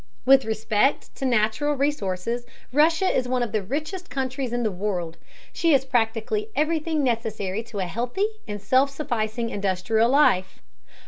With respect to natural resources, Russia is one of the richest countries in the world. She has practically everything necessary to a healthy and self sufficing industrial life.